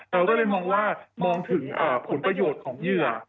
เราก็เลยมองว่ามองถึงผลประโยชน์ของเหยื่อ